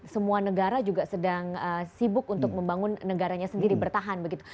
semua negara juga sedang sibuk untuk membangun negaranya sendiri bertahan begitu